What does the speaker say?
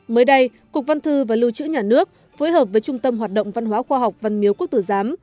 mới đây cục văn thư và lưu trữ nhà nước phối hợp với trung tâm hoạt động văn hóa khoa học văn miếu quốc tử giám